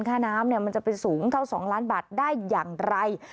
ค่าน้ำมันจะไปสูงเท่า๒ล้านบาทได้อย่างไร